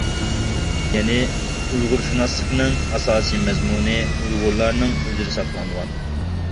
يەنى، ئۇيغۇرشۇناسلىقنىڭ ئاساسىي مەزمۇنى ئۇيغۇرلارنىڭ ئۆزىدە ساقلانغان.